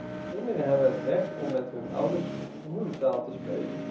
Kinderen hebben het recht om met hun ouders hun moedertaal te spreken.